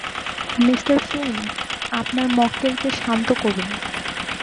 Mister Flynn, আপনার মক্কেলকে শান্ত করুন।